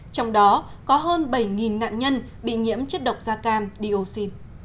trong đó có hơn bảy nạn nhân bị nhiễm chất độc da cam dioxin